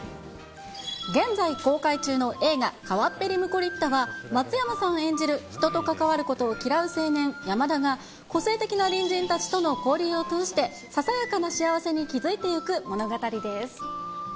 現在、公開中の映画、川っぺりムコリッタは、松山さん演じる、人と関わることを嫌う青年、山田が、個性的な隣人たちとの交流を通して、ささやかな幸せに気付いていく物語です。